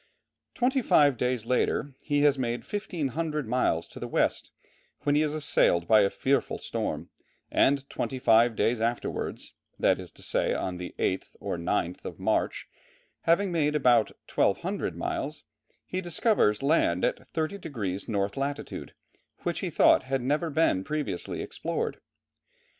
Twenty five days later he has made 1500 miles to the west, when he is assailed by a fearful storm; and twenty five days afterwards, that is to say on the 8th or 9th of March, having made about 1200 miles, he discovers land at 30 degrees north latitude, which he thought had never been previously explored.